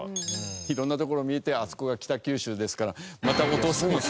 色んな所見えてあそこが北九州ですからまたお父さん。